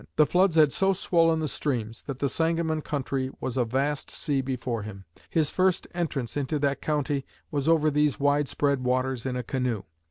The floods had so swollen the streams that the Sangamon country was a vast sea before him. His first entrance into that county was over these wide spread waters in a canoe.